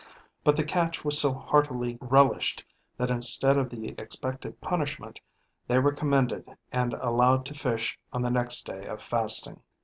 But the catch was so heartily relished that instead of the expected punishment, they were commended and allowed to fish on the next day of fasting.